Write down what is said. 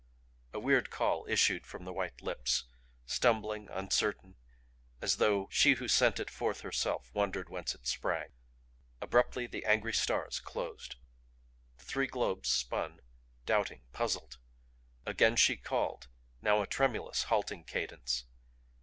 A weird call issued from the white lips stumbling, uncertain, as though she who sent it forth herself wondered whence it sprang. Abruptly the angry stars closed. The three globes spun doubting, puzzled! Again she called now a tremulous, halting cadence.